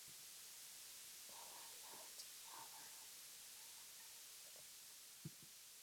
Midland Lao still have a lower standard of living than other ethnic groups.